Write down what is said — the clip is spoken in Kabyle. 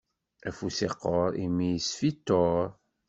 Afus iqquṛ, imi isfiṭṭuṛ.